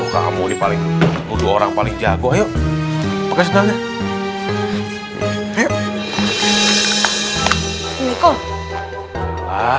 kamu ini paling dua orang paling jago yuk pakai sebenarnya